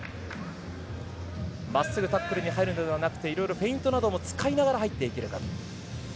真っすぐタックルに入るのではなくて色々フェイントなども使いながら入っていければと。